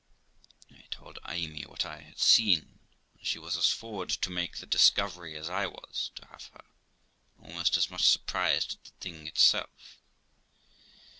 I told Amy 244 THE LIFE OF ROXANA what I had seen, and she was as forward to make the discovery as I was to have her, and almost as much surprised at the thing itself.